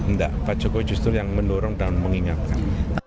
enggak pak jokowi justru yang mendorong dan mengingatkan